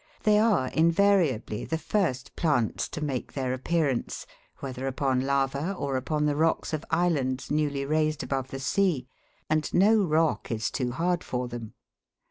They are invariably the first plants to make their appearance, whether upon lava or upon the rocks of islands newly raised above the sea, and no rock is too hard for them.